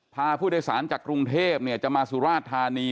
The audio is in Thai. พาผู้โดยสารจากกรุงเทพจะมาสุราชธานี